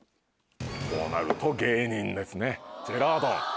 こうなると芸人ですねジェラードン。